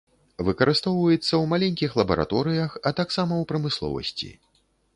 Выкарыстоўваецца ў маленькіх лабараторыях, а таксама ў прамысловасці.